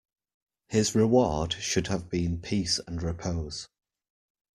His reward should have been peace and repose.